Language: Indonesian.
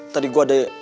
tadi gue ada